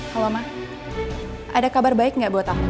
halo mama ada kabar baik gak buat aku